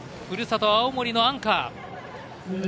ふるさと青森のアンカー。